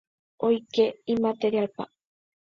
hoyke imaterial-pa.